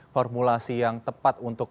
formulasi yang tepat untuk